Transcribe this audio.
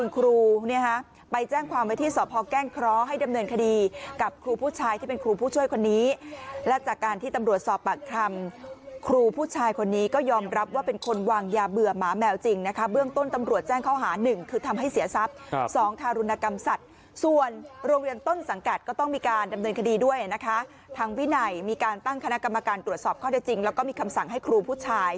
กรรมการตรวจสอบข้อได้จริงแล้วก็มีคำสั่งให้ครูผู้ชาย